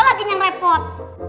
ntar gue lagi yang repot